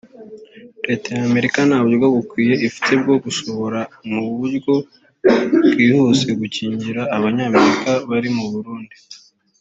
Leta y’Amerika nta buryo bukwiye ifite bwo gushobora mu buryo bwihuse gukingira Abanyamerika bari mu Burundi